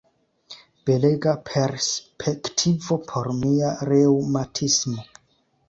Belega perspektivo por mia reŭmatismo!